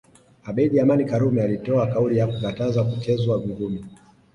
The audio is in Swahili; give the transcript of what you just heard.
Abeid Aman Karume alitoa kauli ya kukataza kuchezwa ngumi